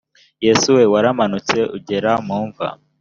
yesu we, waramanutse ugera mu mva!